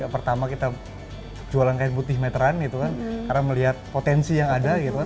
pertama kita jualan kain putih meteran karena melihat potensi yang ada